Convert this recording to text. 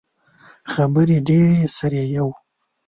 خبرې ډیرې سر ئې یؤ